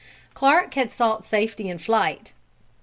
Clark had sought safety in flight.